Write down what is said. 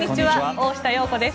大下容子です。